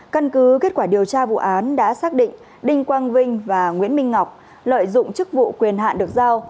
căn cứ kết quả điều tra vụ án đã xác định đinh quang vinh và nguyễn minh ngọc lợi dụng chức vụ quyền hạn được giao